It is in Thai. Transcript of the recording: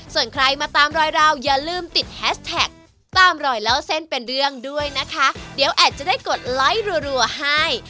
ส่วนใครมาตามรอยราวอย่าลืมติดแฮชแท็กตามรอยเล่าเส้นเป็นเรื่องด้วยนะคะเดี๋ยวอาจจะได้กดไลค์รัวให้